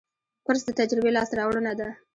کورس د تجربې لاسته راوړنه ده.